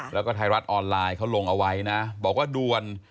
แล้วก็ไทยรัฐออนไลน์เขาลงเอาไว้นะบอกว่าด่วน